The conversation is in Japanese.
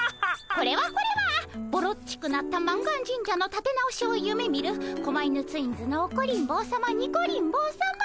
これはこれはぼろっちくなった満願神社のたて直しを夢みる狛犬ツインズのオコリン坊さまニコリン坊さま。